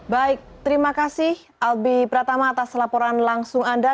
baik terima kasih albi pratama atas laporan langsung anda